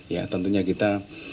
ya tentunya kita